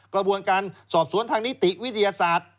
กระบวนการสอบสวนทางนิติวิทยาศาสตร์